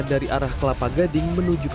dari arah mana kemana bang